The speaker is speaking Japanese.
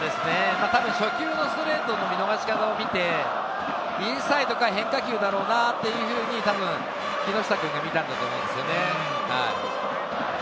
初球のストレートの見逃し方を見て、インサイドか変化球だろうなというふうに、たぶん木下君が見たんだと思いますね。